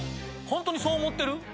ホントにそう思ってる？